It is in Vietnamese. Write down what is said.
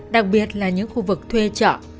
đặc biệt là những khu vực thuê trọ